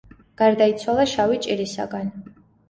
გარდაიცვალა შავი ჭირისაგან.